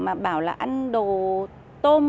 mà bảo là ăn đồ tôm